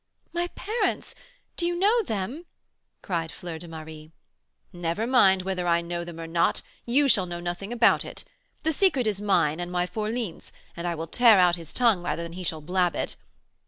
"My parents! Do you know them?" cried Fleur de Marie. "Never mind whether I know them or not, you shall know nothing about it. The secret is mine and my fourline's, and I will tear out his tongue rather than he shall blab it.